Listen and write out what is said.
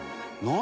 「何？